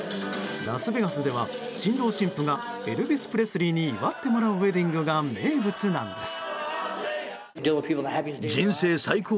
ラスベガスでは、新郎新婦がエルビス・プレスリーに祝ってもらうウェディングが名物なんです。